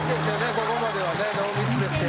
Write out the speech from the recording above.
ここまではねノーミスですよ